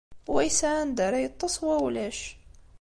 Wa yesɛa anda ara yeṭṭes, wa ulac.